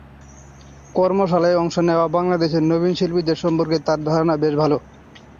কর্মশালায় অংশ নেওয়া বাংলাদেশের নবীন শিল্পীদের সম্পর্কে তাঁর ধারণা বেশ ভালো।